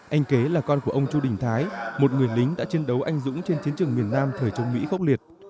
anh kế là con của ông chu đình thái một người lính đã chiến đấu anh dũng trên chiến trường miền nam thời chống mỹ khốc liệt